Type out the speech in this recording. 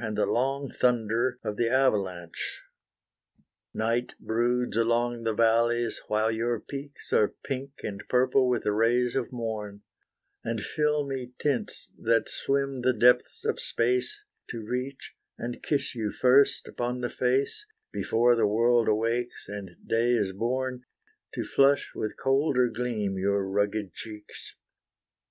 And the long thunder of the avalanche! Night broods along the vallies while your peaks Are pink and purple with the rays of morn, And filmy tints that swim the depths of space, To reach, and kiss you first upon the face, Before the world awakes, and day is born, To flush with colder gleam your rugged cheeks.